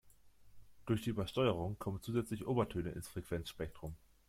Durch die Übersteuerung kommen zusätzliche Obertöne ins Frequenzspektrum.